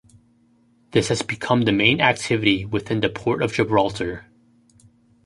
This has become the main activity within the Port of Gibraltar.